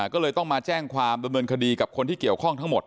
ก็เลยต้องมาแจ้งความดำเนินคดีกับคนที่เกี่ยวข้องทั้งหมด